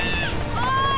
おい！